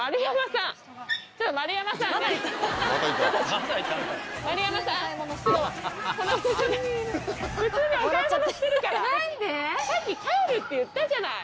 さっき帰るって言ったじゃない。